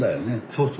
そうそう。